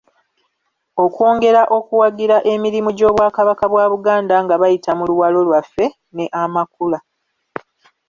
Okwongera okuwagira emirimu gy’Obwakabaka bwa Buganda nga bayita mu ‘Luwalo Lwaffe’ ne ‘Amakula.’